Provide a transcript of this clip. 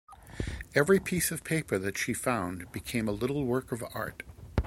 Every piece of paper that she found became a little work of art.